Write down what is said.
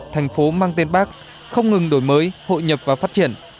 thành phố mang tên bác không ngừng đổi mới hội nhập và phát triển